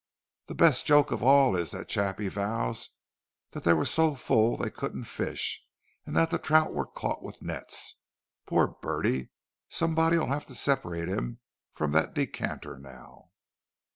The best joke of all is that Chappie vows they were so full they couldn't fish, and that the trout were caught with nets! Poor Bertie—somebody'll have to separate him from that decanter now!"